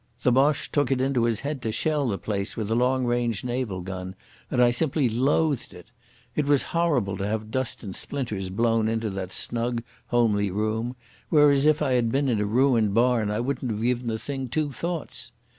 The Boche took it into his head to shell the place with a long range naval gun, and I simply loathed it. It was horrible to have dust and splinters blown into that snug, homely room, whereas if I had been in a ruined barn I wouldn't have given the thing two thoughts.